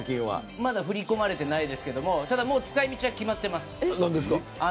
まだ振り込まれてないですけどただ、もう使い道は決まってます。